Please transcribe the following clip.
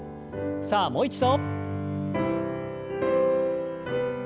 さあもう一度。